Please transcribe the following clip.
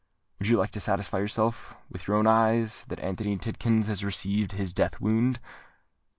Would you like to satisfy yourself, with your own eyes, that Anthony Tidkins has received his death wound?"